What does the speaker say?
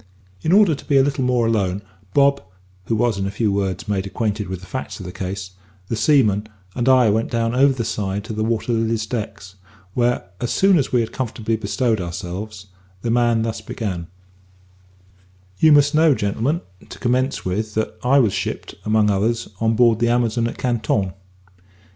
In order to be a little more alone, Bob (who was, in a few words, made acquainted with the facts of the case), the seaman, and I went down over the side to the Water Lily's deck, when, as soon as we had comfortably bestowed ourselves, the man thus began: "You must know, gentlemen, to commence with, that I was shipped, among others, on board the Amazon at Canton.